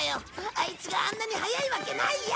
アイツがあんなに速いわけないよ！